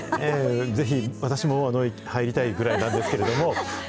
ぜひ私も入りたいぐらいなんですけれども。